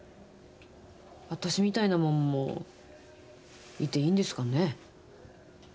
私みたいな者もいて、いいんですかね？